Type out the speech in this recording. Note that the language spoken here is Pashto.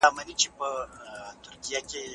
زه اوږده وخت لاس پرېولم وم؟!